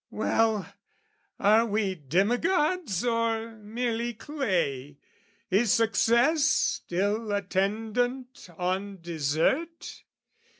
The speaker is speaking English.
"Well, are we demigods or merely clay? "Is success still attendant on desert?